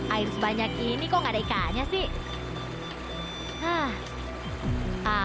air sebanyak ini kok gak ada ikannya sih